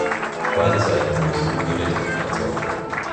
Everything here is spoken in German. Beide Seiten müssen für Gerechtigkeit sorgen.